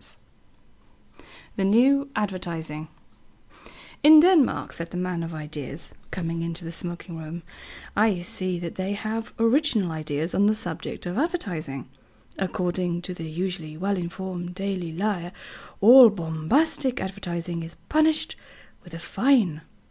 _" THE NEW ADVERTISING "In Denmark," said the man of ideas, coming into the smoking room, "I see that they have original ideas on the subject of advertising. According to the usually well informed Daily Lyre, all 'bombastic' advertising is punished with a fine.